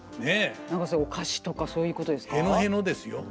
何かお菓子とかそういうことですか。